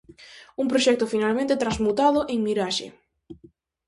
Un proxecto finalmente transmutado en miraxe.